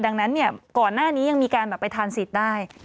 ดังนั้นเนี่ยก่อนหน้านี้ยังมีการแบบไปทานสิทธิ์ได้